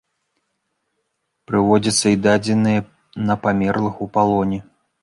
Прыводзяцца і дадзеныя на памерлых у палоне.